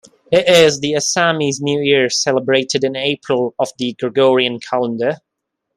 It is the Assamese new year celebrated in April of the Gregorian calendar.